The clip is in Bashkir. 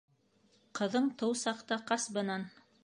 Ҡыҙың тыу саҡта ҡас бынан.